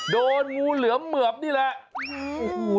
โดนงูเหลือมเหมือบนี่แหละ